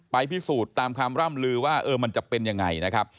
พิสูจน์ตามความร่ำลือว่ามันจะเป็นยังไงนะครับ